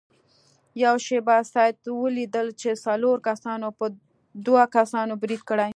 یوه شپه سید ولیدل چې څلورو کسانو په دوو کسانو برید کړی.